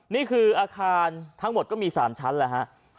นี่คืออาคารทั้งหมดก็มี๓ชั้นแหละฮะ